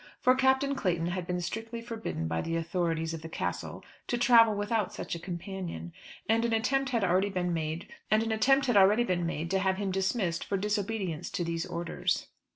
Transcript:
For Captain Clayton had been strictly forbidden by the authorities of the Castle to travel without such a companion; and an attempt had already been made to have him dismissed for disobedience to these orders.